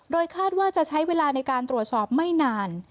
โดยคาดว่าจะใช้เวลาในการตรวจสอบไม่นาน